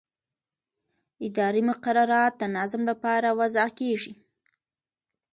اداري مقررات د نظم لپاره وضع کېږي.